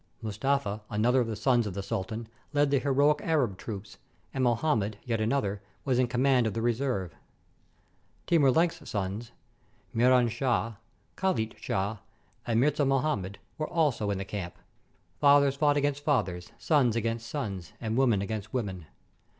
Mus tafa, another of the sons of the sultan, led the heroic Arab troops; and Mohammed, yet another, was in com mand of the reserve. Timur Lenk's sons, Miran Shah, Chalit Shah, and Mirza Mohammed, were also in the camp. Fathers fought against fathers, sons against sons, and women against women!